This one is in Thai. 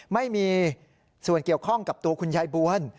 ไม่มีส่วนเกี่ยวข้องกับตัวคุณยายบวล